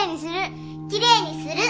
きれいにする！